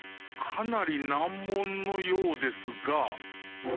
かなり難問のようですが。